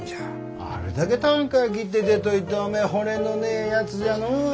あれだけたんかあ切って出といておめえ骨のねえやつじゃのお。